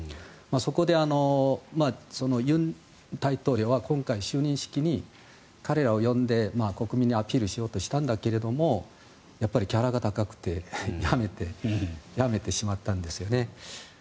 そこで、尹大統領は今回、就任式に彼らを呼んで国民にアピールしようとしたんだけどやっぱりギャラが高くてやめてしまったんですよね。